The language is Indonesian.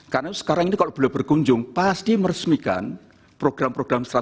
karena sekarang ini kalau beliau berkunjung pasti meresmikan program program strategis